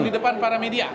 di depan para media